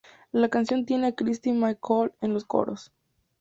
La canción tiene a Kirsty MacColl en los coros.